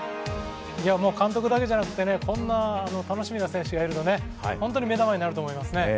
監督だけじゃなくて、こんな楽しみな選手がいると本当に目玉になると思いますね。